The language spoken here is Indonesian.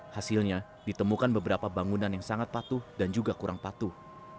hasilnya ditemukan beberapa bangunan yang sangat patuh dan juga kurang patuh